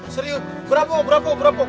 serius berapa berapa berapa